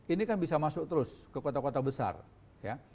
ini kan bisa masuk terus ke kota kota besar ya